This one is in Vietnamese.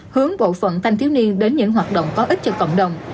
hướng bộ phận thanh thiếu niên đến những hoạt động có ích cho cộng đồng